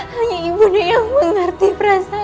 hanya ibu nda yang mengerti perasaanku